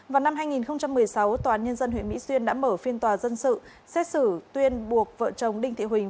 vào năm hai nghìn một mươi sáu tòa án nhân dân huyện mỹ xuyên đã mở phiên tòa dân sự xét xử tuyên buộc vợ chồng đinh thị huỳnh